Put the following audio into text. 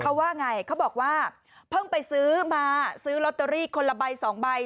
เขาว่าไงเขาบอกว่าเพิ่งไปซื้อมาซื้อลอตเตอรี่คนละใบสองใบ